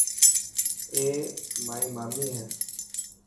اي مائي مامي هي.